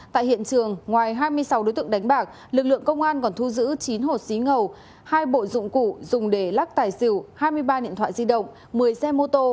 tại hiện trường ngoài hai mươi sáu đối tượng đánh bạc lực lượng công an còn thu giữ chín hột xí ngầu hai bộ dụng cụ dùng để lắc tài xỉu hai mươi ba điện thoại di động một mươi xe mô tô